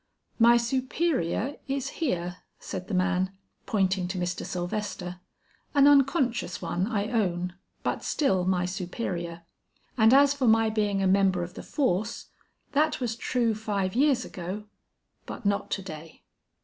"My superior is here!" said the man pointing to Mr. Sylvester; "an unconscious one I own, but still my superior; and as for my being a member of the force, that was true five years ago, but not to day."